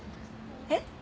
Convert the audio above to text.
えっ？